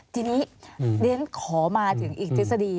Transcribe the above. ทีนี้เรียนขอมาถึงอีกทฤษฎี